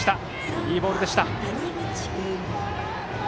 いいボールでした。